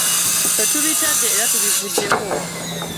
Ffe bitutabudde era tubivuddeko.